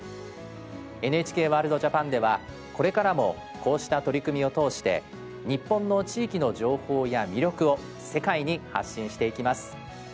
ＮＨＫワールドＪＡＰＡＮではこれからもこうした取り組みを通して日本の地域の情報や魅力を世界に発信していきます。